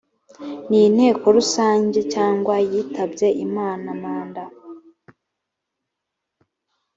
ninteko rusange cyangwa yitabye imana manda